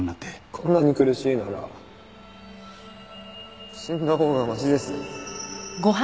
こんなに苦しいなら死んだほうがマシです。